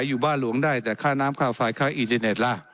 อยู่บ้านหลวงได้แต่ค่าน้ำค่าอ